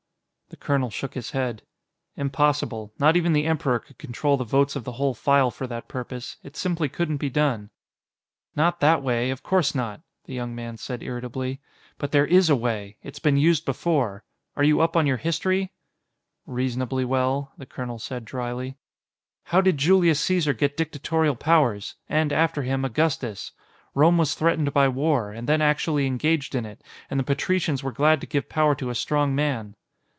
The colonel shook his head. "Impossible. Not even the Emperor could control the votes of the whole File for that purpose. It simply couldn't be done." "Not that way; of course not," the young man said irritably. "But there is a way. It's been used before. Are you up on your history?" "Reasonably well," the colonel said dryly. "How did Julius Caesar get dictatorial powers? And, after him, Augustus? Rome was threatened by war, and then actually engaged in it, and the patricians were glad to give power to a strong man."